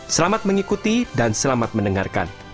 selamat mengikuti dan selamat mendengarkan